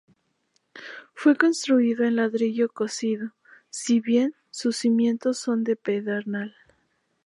Fue construido en ladrillo cocido, si bien sus cimientos son de pedernal.